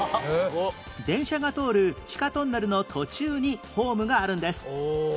電車が通る地下トンネルの途中にホームがあるんです